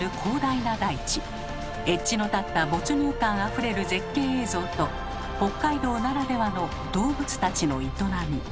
エッジの立った没入感あふれる絶景映像と北海道ならではの動物たちの営み。